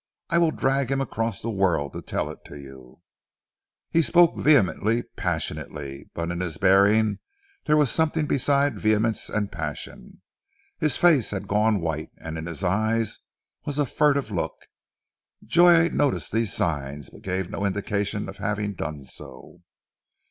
I will drag him across the world to tell it to you." He spoke vehemently, passionately, but in his bearing there was something besides vehemence and passion. His face had gone white, and in his eyes was a furtive look. Joy noticed these signs, but gave no indication of having done so.